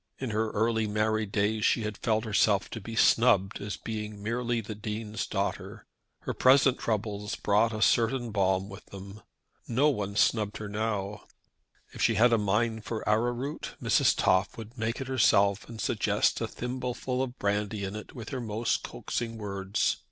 In her early married days she had felt herself to be snubbed as being merely the Dean's daughter. Her present troubles brought a certain balm with them. No one snubbed her now. If she had a mind for arrowroot, Mrs. Toff would make it herself and suggest a thimbleful of brandy in it with her most coaxing words.